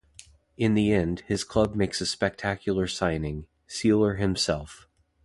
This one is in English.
In the end, his club makes a spectacular signing: Seeler himself.